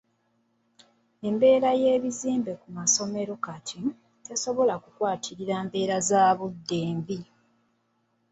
Embeera y'ebizimbe ku ssomero kati tesobola kukwatirira mbeera za budde mbi.